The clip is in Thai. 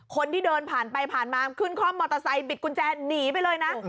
คนที่เดินผ่านไปผ่านมาขึ้นคล่อมมอเตอร์ไซค์บิดกุญแจหนีไปเลยนะ